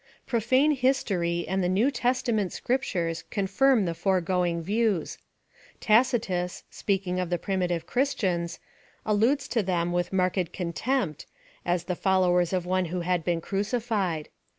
Profane history and the New Testament scrip tures confirm the foregoing views. Tacitus, speak ing of the primitive Christians, alludes to them with marked contempt, as the followers of one who had been crucified.